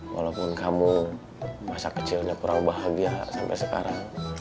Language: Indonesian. walaupun kamu masa kecilnya kurang bahagia sampai sekarang